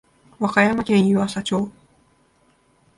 和歌山県湯浅町